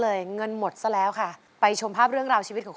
รายการต่อไปนี้เป็นรายการทั่วไปสามารถรับชมได้ทุกวัย